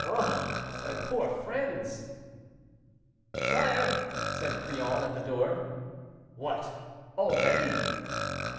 Ah, my poor friends!" "Sire!" said Crillon, at the door. "What! already?"